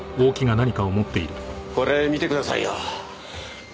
これ見てくださいよ。